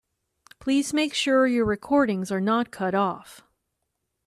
Please make sure your recordings are not cut off.